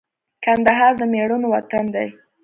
کندهار د مېړنو وطن دی